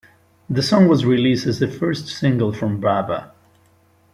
The song was released as the first single from Brava!